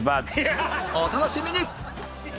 お楽しみに